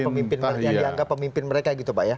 bahkan pemimpin yang dianggap pemimpin mereka gitu pak ya